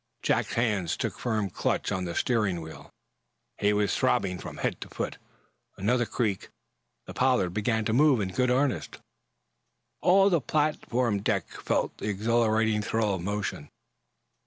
Jack's hands took firm clutch on the steering wheel. He was throbbing from head to foot. Another creak! The "Pollard" began to move in good earnest. All on the platform deck felt the exhilarating thrill of motion.